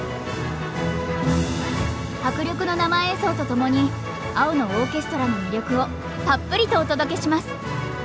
迫力の生演奏とともに「青のオーケストラ」の魅力をたっぷりとお届けします。